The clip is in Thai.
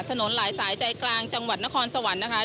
หลายสายใจกลางจังหวัดนครสวรรค์นะคะ